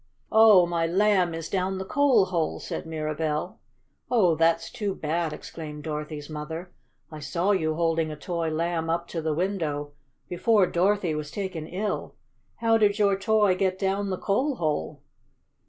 "Oh, my Lamb is down the coal hole!" said Mirabell. "Oh, that's too bad!" exclaimed Dorothy's mother. "I saw you holding a toy Lamb up to the window, before Dorothy was taken ill. How did your toy get down the coal hole?"